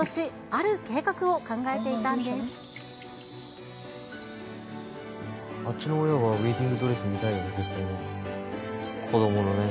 あっちの親はウエディングドレス見たいよね、絶対ね。